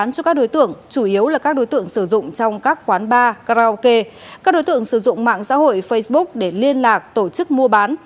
các đối tượng sử dụng mạng xã hội facebook để liên lạc tổ chức mua bán